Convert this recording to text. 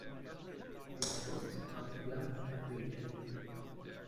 The exports are flour and wheat.